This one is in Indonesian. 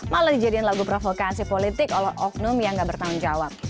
malah dijadikan lagu provokasi politik oleh oknum yang nggak bertanggung jawab